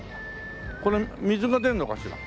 これ水が出るのかしら？